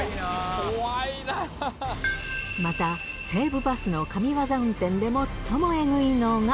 また、西武バスの神業運転で最もえぐいのが。